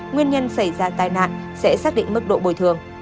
nguyên nhân xảy ra tai nạn sẽ xác định mức độ bồi thường